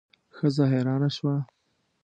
ښځه حیرانه شوه.